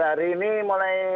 hari ini mulai